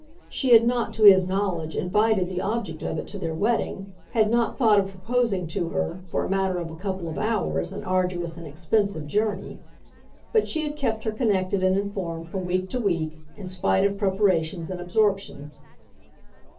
She had not, to his knowledge, invited the object of it to their wedding, had not thought of proposing to her, for a matter of a couple of hours, an arduous and expensive journey. But she had kept her connected and informed, from week to week, in spite of preparations and absorptions.